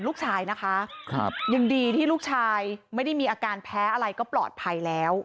ลูกชายนะคะครับยังดีที่ลูกชายไม่ได้มีอาการแพ้อะไรก็ปลอดภัยแล้ว